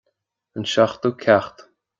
An seachtú ceacht